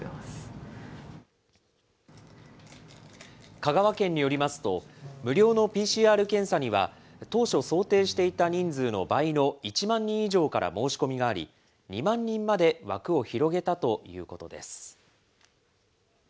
香川県によりますと、無料のＰＣＲ検査には、当初想定していた人数の倍の１万人以上から申し込みがあり、２万人まで枠を広げたということです。